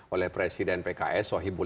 oleh presiden pks